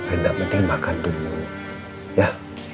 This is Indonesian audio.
rena mending makan dulu yah